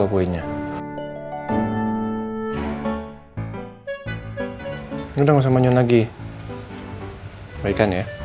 papa mau kamu jadi orang yang lebih baik